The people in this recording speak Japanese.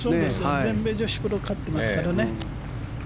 全米女子プロ勝ってますからね。